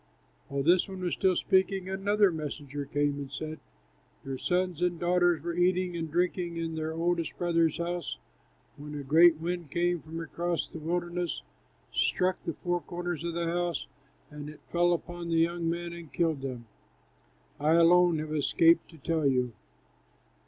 While this one was still speaking, another messenger came and said, "Your sons and daughters were eating and drinking in their oldest brother's house when a great wind came from across the wilderness, struck the four corners of the house, and it fell upon the young men and killed them. I alone have escaped to tell you."